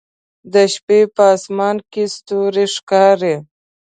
د شپې په اسمان کې ستوري ښکاري